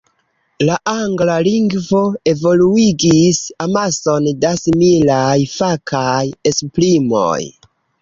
La angla lingvo evoluigis amason da similaj fakaj esprimoj.